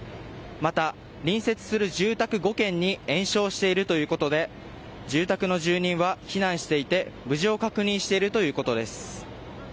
また、隣接する住宅５軒に延焼しているということで住宅の住人は避難していて無事を確認しているということです。